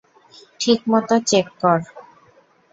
ঠিক মতো চেপ কর।